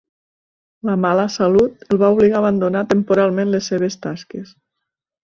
La mala salut el va obligar a abandonar temporalment les seves tasques.